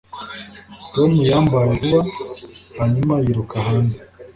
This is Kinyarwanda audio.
Tom yambaye vuba, hanyuma yiruka hanze.